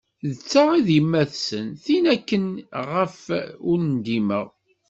D ta i d yemmat-nsen, tin akken i ɣef ur ndimeɣ.